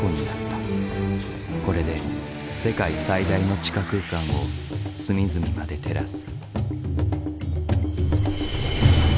これで世界最大の地下空間を隅々まで照らす。